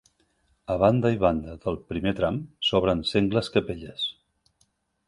A banda i banda del primer tram s'obren sengles capelles.